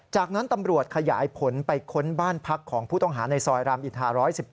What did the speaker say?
จากนั้นตำรวจขยายผลไปค้นบ้านพักของผู้ต้องหาในซอยรามอินทา๑๑๗